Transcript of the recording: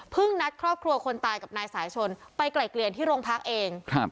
เพิ่งนัดครอบครัวคนตายกับนายสายชนไปไกล่เกลียนที่โรงพักเอง